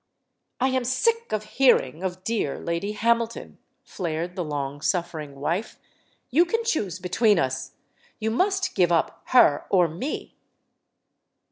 "I am sick of hearing of 'dear' Lady Hamilton!" flared the long suffering wife. "You can choose be tween us. You must give up her or me."